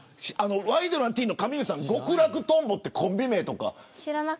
ワイドナティーンの上結さん極楽とんぼってコンビ名とか。